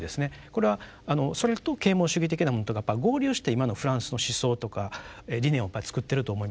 これはそれと啓蒙主義的なものとがやっぱ合流して今のフランスの思想とか理念をやっぱ作っていると思います。